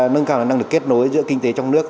nâng cao năng lực kết nối giữa kinh tế trong nước